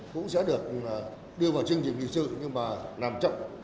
cũng sẽ được đưa vào chương trình lịch sử nhưng mà làm chậm